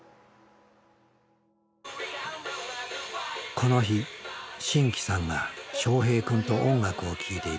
この日真気さんがしょうへい君と音楽を聴いていた。